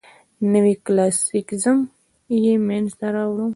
نوي کلاسیکیزم یې منځ ته راوړ.